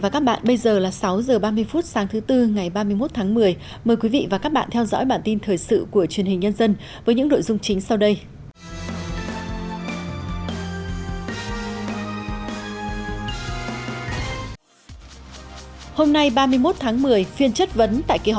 các bạn hãy đăng ký kênh để ủng hộ kênh của chúng mình nhé